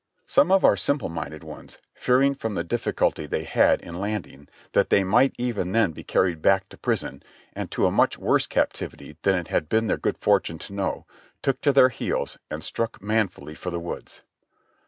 Some of our simple minded ones, fearing from the difficulty they had in landing that they might even then be carried back to prison and to a much worse captivity than it had been their good fortune to know, took to their heels and struck manfully for the woods.